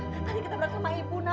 tadi kita berangkat sama ibu mbak